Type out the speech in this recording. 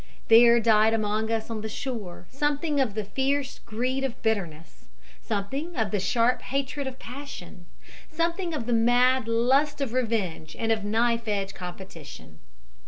There died among us on the shore something of the fierce greed of bitterness, something of the sharp hatred of passion, something of the mad lust of revenge and of knife edge competition.